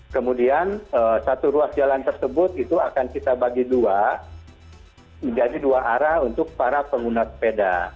kemudian satu ruas jalan tersebut itu akan kita bagi dua menjadi dua arah untuk para pengguna sepeda